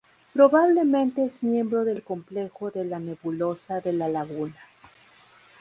Probablemente es miembro del complejo de la Nebulosa de la Laguna.